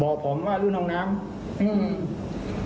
บอกผมว่าด้วยรุ่นน้ำน้ำ